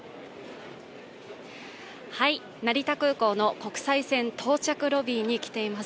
成田空港の国際線到着ロビーに来ています。